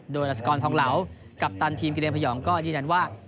โดยรัสกรทองเหลากัปตันทีมกิเลพยองก็ยืนยันว่า